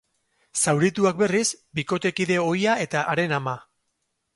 Zaurituak berriz, bikotekide ohia eta haren ama.